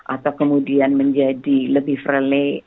atau kemudian menjadi lebih friendly